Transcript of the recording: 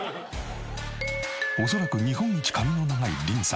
恐らく日本一髪の長いリンさん。